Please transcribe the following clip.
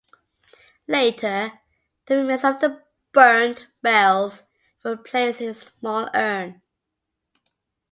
Later the remains of the burnt bails were placed in a small urn.